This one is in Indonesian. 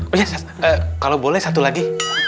oh iya kalau boleh satu lagi